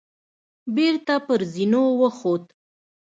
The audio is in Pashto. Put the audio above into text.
بېرته پر زينو وخوت.